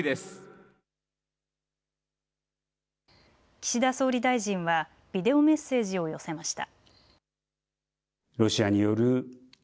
岸田総理大臣はビデオメッセージを寄せました。